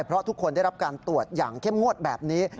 เพราะทุกคนได้รับการตรวจอย่างเข้มงวดแบบนี้